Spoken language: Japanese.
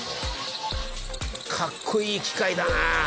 かっこいい機械だな！